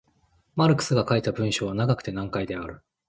マルクスが書いた文章は長くて難解である。